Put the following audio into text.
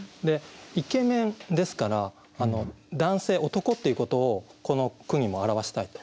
「イケメン」ですから男性男っていうことをこの句にも表したいと。